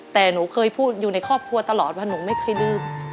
แต่หนูเคยพูดอยู่ในครอบครัวตลอดว่าหนูไม่เคยลืม